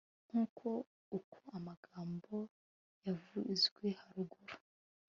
Nguko uko amagambo yavuzweharuguru